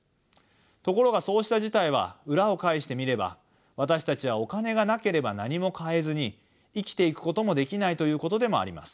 ところがそうした事態は裏を返してみれば私たちはお金がなければ何も買えずに生きていくこともできないということでもあります。